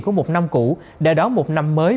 của một năm cũ để đón một năm mới